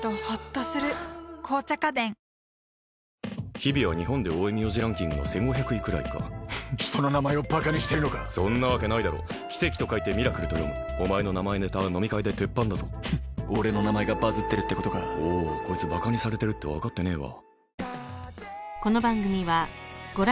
日比は日本で多い名字ランキングの１５００位ぐらいかフッ人の名前をバカにしてるのかそんなわけないだろう奇跡と書いてミラクルと読むお前の名前ネタは飲み会で鉄板だぞ俺の名前がバズってるってことかバカにされてるって分かってねえわ